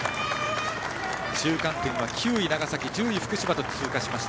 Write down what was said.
中間点は９位、長崎１０位、福島が通過しました。